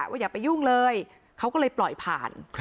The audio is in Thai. อย่าไปยุ่งเลยเขาก็เลยปล่อยผ่าน